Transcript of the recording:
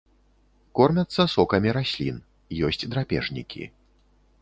Кормяцца сокамі раслін, ёсць драпежнікі.